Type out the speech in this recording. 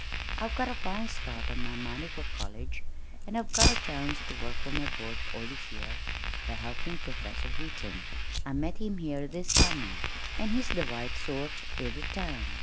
I've got a fine start on my money for college, and I've got a chance to work for my board all this year by helping Professor Heaton. I met him here this summer, and he's the right sort every time.